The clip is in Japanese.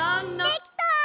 できた！